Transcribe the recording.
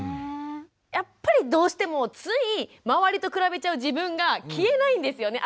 やっぱりどうしてもつい周りと比べちゃう自分が消えないんですよね